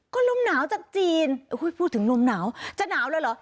ก็ลมหนาวจากจีนพูดถึงลมหนาวจะหนาวเลยเหรอ